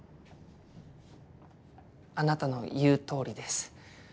あなたの言うとおりです。